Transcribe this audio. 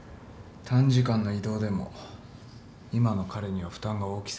短時間の移動でも今の彼には負担が大き過ぎる。